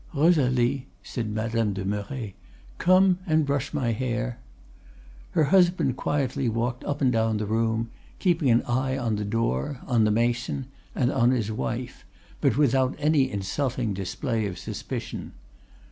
"'Rosalie,' said Madame de Merret, 'come and brush my hair.' "Her husband quietly walked up and down the room, keeping an eye on the door, on the mason, and on his wife, but without any insulting display of suspicion.